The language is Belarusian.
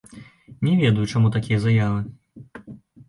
Не ведаю, чаму такія заявы.